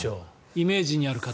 イメージにある形。